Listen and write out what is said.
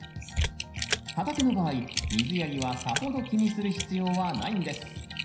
畑の場合水やりはさほど気にする必要はないんです。